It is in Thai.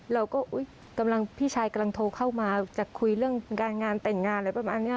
เราก็กำลังพี่ชายกำลังโทรเข้ามาจะคุยเรื่องการงานแต่งงานอะไรประมาณนี้